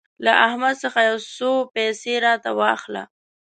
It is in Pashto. له احمد څخه يو څو پيسې راته واخله.